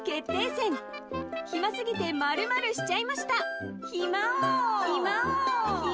戦暇すぎて○○しちゃいました暇王。